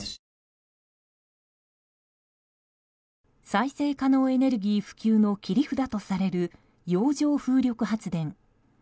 再生可能エネルギー普及の切り札とされる洋上風力発電。